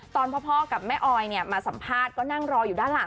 ตอนพ่อกับแม่ออยมาสัมภาษณ์ก็นั่งรออยู่ด้านหลัง